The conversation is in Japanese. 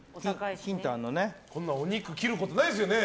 こんなお肉切ることないですよね。